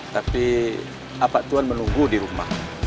tapi apa tuhan menunggu di rumah